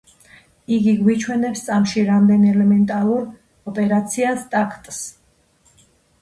იგი გვიჩვენებს წამში რამდენ ელემენტარულ ოპერაციას-ტაქტს